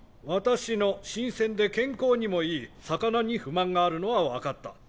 私の新鮮で健康にもいい魚に不満があるのは分かった。